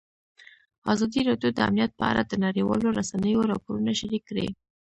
ازادي راډیو د امنیت په اړه د نړیوالو رسنیو راپورونه شریک کړي.